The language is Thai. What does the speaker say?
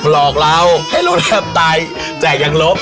หลอกเราให้รถแทบตายแจกยังลบ